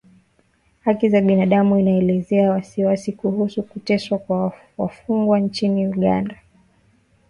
Haki za binadamu inaelezea wasiwasi kuhusu kuteswa kwa wafungwa nchini Uganda